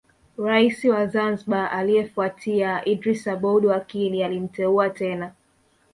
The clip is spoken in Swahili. Rais wa Zanzibar aliyefuatia Idris Aboud Wakil alimteua tena